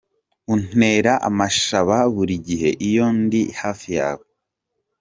Untera amashaba buri gihe iyo ndi hafi yawe.